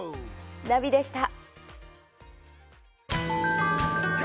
ナビでした。